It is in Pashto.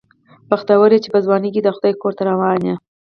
بختور یې چې په ځوانۍ کې د خدای کور ته روان یې.